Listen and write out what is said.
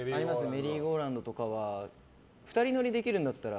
メリーゴーラウンドとかは２人乗りにできるんだったら